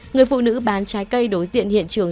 người phụ nữ bán trái cây đối diện hiện trường